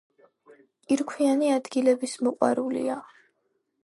კირქვიანი ადგილების მოყვარულია.